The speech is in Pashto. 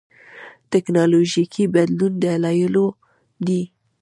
ټېکنالوژيکي بدلون دلایلو دي.